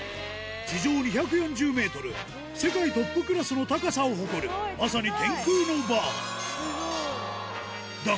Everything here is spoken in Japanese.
地上２４０メートル、世界トップクラスの高さを誇る、まさに天空のバー。